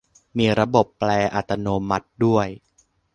มีระบบแปลอัตโนมัติด้วย !